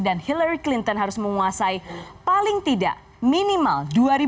dan hillary clinton harus menguasai paling tidak minimal